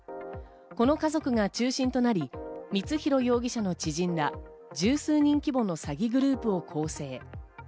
この家族が中心となり、光弘容疑者の知人ら十数人規模の詐欺グループを構成。